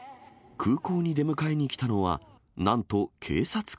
空港に出迎えに来たのは、なんと警察官。